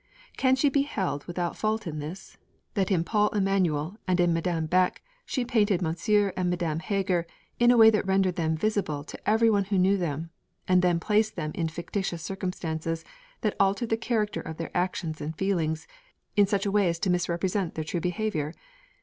Can she be held without fault in this; that in Paul Emanuel and in Madame Beck she painted Monsieur and Madame Heger in a way that rendered them visible to every one who knew them; and then placed them in fictitious circumstances that altered the character of their actions and feelings, in such a way as to misrepresent their true behaviour?